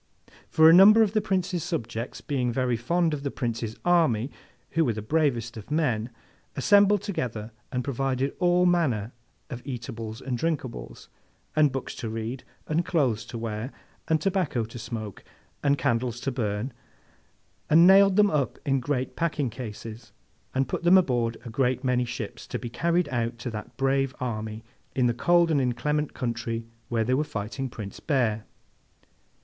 For, a number of the Prince's subjects, being very fond of the Prince's army who were the bravest of men, assembled together and provided all manner of eatables and drinkables, and books to read, and clothes to wear, and tobacco to smoke, and candies to burn, and nailed them up in great packing cases, and put them aboard a great many ships, to be carried out to that brave army in the cold and inclement country where they were fighting Prince Bear.